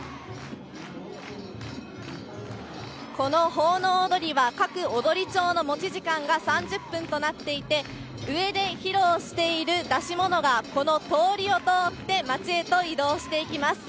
この奉納踊りは各踊町の持ち時間が３０分となっていて、上で披露している出し物が、この通りを通って町へと移動していきます。